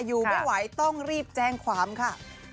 อยู่ไม่ไหวต้องรีบแจ้งความค่ะ